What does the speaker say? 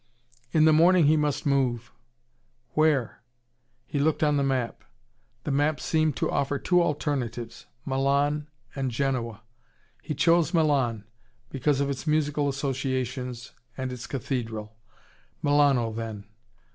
In the morning he must move: where? He looked on the map. The map seemed to offer two alternatives, Milan and Genoa. He chose Milan, because of its musical associations and its cathedral. Milano then.